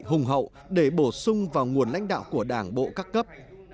hùng hậu để bổ sung vào nguồn lãnh đạo của đảng bộ các cấp